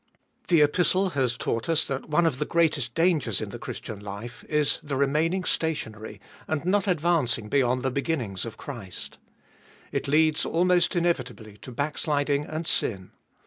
THE Epistle has taught us that one of the greatest dangers in the Christian life is the remaining stationary, and not advancing beyond the beginnings of Christ. It leads almost inevitably to backsliding and sin.